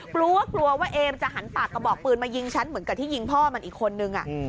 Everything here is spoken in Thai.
กลัวกลัวว่าเอมจะหันปากกระบอกปืนมายิงฉันเหมือนกับที่ยิงพ่อมันอีกคนนึง